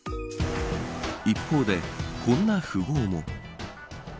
一方で、こんな富豪も。